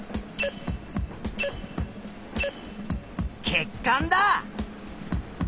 血管だ！